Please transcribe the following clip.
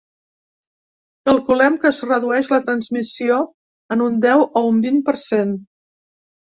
Calculem que es redueix la transmissió en un deu o un vint per cent.